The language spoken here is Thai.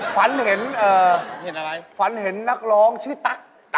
ฝันเห็นอะไรฝันเห็นนักร้องชื่อตั๊ก